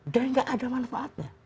dan nggak ada manfaatnya